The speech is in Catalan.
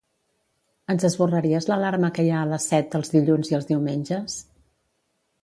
Ens esborraries l'alarma que hi ha a les set els dilluns i els diumenges?